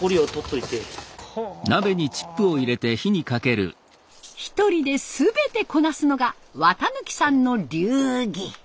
一人で全てこなすのが綿貫さんの流儀。